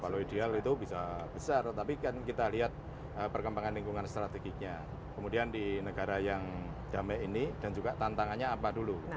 kalau ideal itu bisa besar tetapi kan kita lihat perkembangan lingkungan strategiknya kemudian di negara yang damai ini dan juga tantangannya apa dulu